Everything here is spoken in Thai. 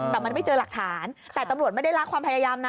แต่มันไม่เจอหลักฐานแต่ตำรวจไม่ได้รักความพยายามนะ